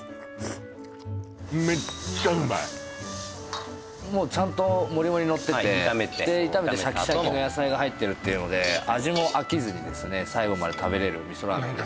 メッチャうまいもうちゃんともりもりのっててで炒めてシャキシャキの野菜が入ってるっていうので味も飽きずに最後まで食べれる味噌ラーメン